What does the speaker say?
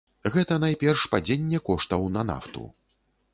Гэта, найперш, падзенне коштаў на нафту.